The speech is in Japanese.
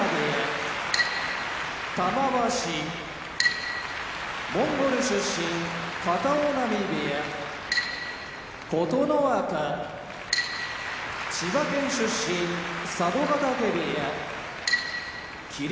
玉鷲モンゴル出身片男波部屋琴ノ若千葉県出身佐渡ヶ嶽部屋霧